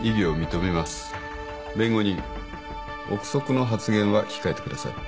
臆測の発言は控えてください。